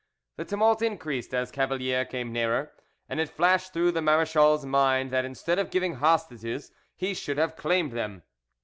The tumult increased as Cavalier came nearer, and it flashed through the marechal's mind that instead of giving hostages he should have claimed them.